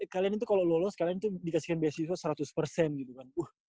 kalian itu kalo lolos kalian itu dikasihkan beasiswa seratus gitu kan